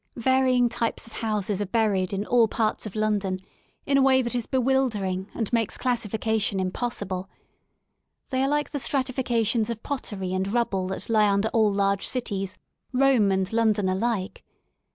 Varying types of houses are buried in all parts of 50 ROADS INTO LONDON London in a way that is bewildering and makes classi fication impossible. They are like the stratifications of pottery and rubble that He under all large cities, Rome and London alike.